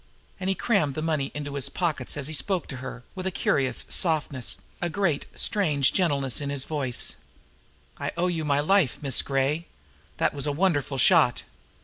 And as he crammed the money into his pockets, he spoke to her, with a curious softness, a great, strange gentleness in his voice: "I owe you my life, Miss Gray. That was a wonderful shot.